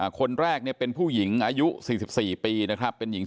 คนแรกเนี่ยเป็นผู้หญิงอายุสี่สิบสี่ปีนะครับเป็นหญิง